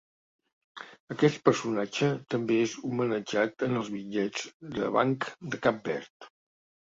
Aquest personatge també és homenatjat en els bitllets de banc de Cap Verd.